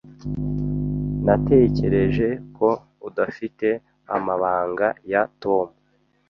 Natekereje ko udafite amabanga ya Tom.